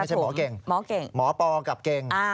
ไม่ใช่หมอเก่งหมอปอกับเก่ง